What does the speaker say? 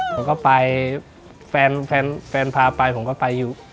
ผมก็ไปแฟนแฟนพาไปผมก็ไปอยู่